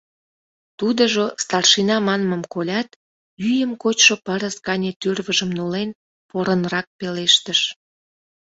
Тудыжо «старшина» манмым колят, ӱйым кочшо пырыс гане тӱрвыжым нулен, порынрак пелештыш.